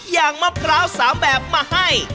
อย่างมะพร้าว๓แบบมาให้